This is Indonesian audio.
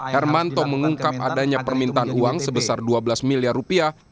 hermanto mengungkap adanya permintaan uang sebesar dua belas miliar rupiah